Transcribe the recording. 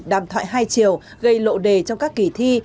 đàm thoại hai chiều gây lộ đề trong các kỳ thi